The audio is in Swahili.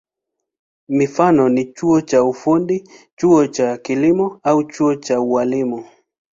Mifano ni chuo cha ufundi, chuo cha kilimo au chuo cha ualimu.